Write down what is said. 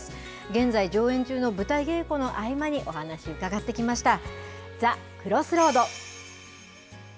現在上演中の舞台稽古の合間に、お話伺ってきました。